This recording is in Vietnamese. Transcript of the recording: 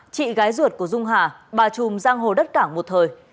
chị gái ruột của dung hà bà trùm giang hồ đất cảng một thời